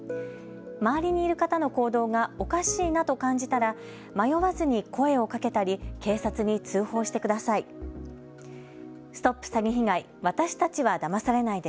周りにいる方の行動がおかしいなと感じたら迷わずに声をかけたり警察に通報してください。